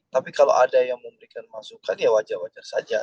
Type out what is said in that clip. tapi kalau ada yang memberikan masukan ya wajar wajar saja